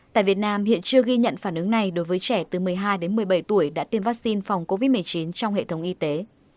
tại việt nam hiện chưa ghi nhận phản ứng này đối với trẻ từ một mươi hai đến một mươi bảy tuổi đã tiêm vaccine phòng covid một mươi chín trong hệ thống y tế